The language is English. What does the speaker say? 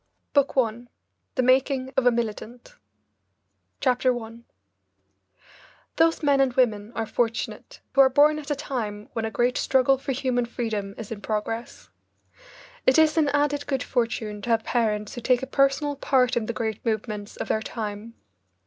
BOOK I THE MAKING OF A MILITANT Mrs. Pankhurst's Own Story CHAPTER I Those men and women are fortunate who are born at a time when a great struggle for human freedom is in progress. It is an added good fortune to have parents who take a personal part in the great movements of their time.